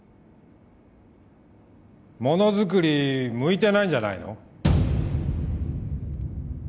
モノづくり向いてないんじゃないの？